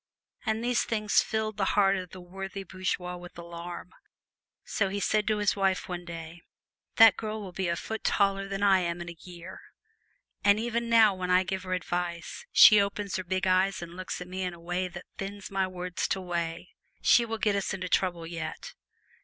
And these things filled the heart of the worthy bourgeois with alarm; so he said to his wife one day: "That girl will be a foot taller than I am in a year, and even now when I give her advice, she opens her big eyes and looks at me in a way that thins my words to whey. She will get us into trouble yet!